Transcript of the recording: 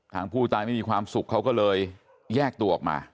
ทางผู้ตายไม่มีความสุขเขาก็เลยแยกตัวออกมา